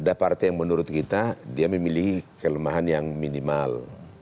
ada partai yang menurut kita dia memilih kelemahan yang minimal